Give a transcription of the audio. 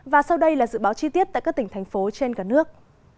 và sau đây là dự báo chi tiết tại các tỉnh thành phố trên cả nước